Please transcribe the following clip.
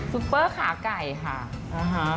ซุปเปอร์ขาไก่ค่ะ